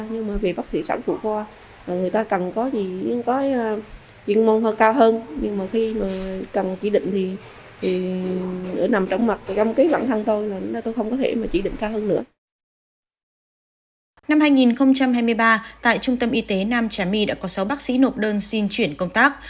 năm hai nghìn hai mươi ba tại trung tâm y tế nam trà my đã có sáu bác sĩ nộp đơn xin chuyển công tác